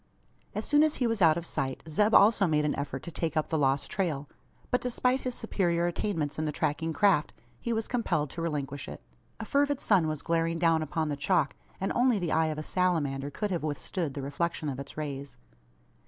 As soon as he was out of sight, Zeb also made an effort to take up the lost trail. But despite his superior attainments in the tracking craft, he was compelled to relinquish it. A fervid sun was glaring down upon the chalk; and only the eye of a salamander could have withstood the reflection of its rays.